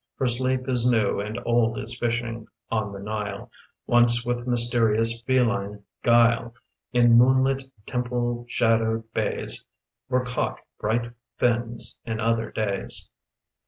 For sleep Is new, and old is fishing; on the Nile, Once with mysterious, feline gaile. In moon lit, temple shadowed bays, Were caught bright fins, in other days.